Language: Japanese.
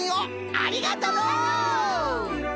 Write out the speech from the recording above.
ありがとう！